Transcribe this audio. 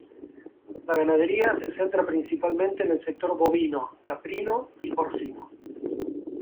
La ganadería se centra principalmente en el sector bovino, caprino y porcino.